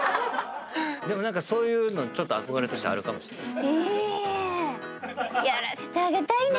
でも何かそういうのちょっと憧れとしてあるかもしれない。